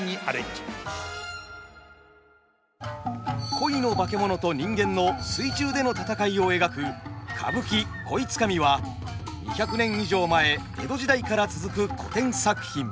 鯉の化け物と人間の水中での戦いを描く歌舞伎「鯉つかみ」は２００年以上前江戸時代から続く古典作品。